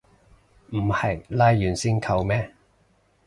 唔係拉完先扣咩